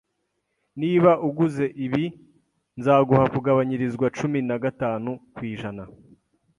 Niba uguze ibi, nzaguha kugabanyirizwa cumi na gatanu kwijana.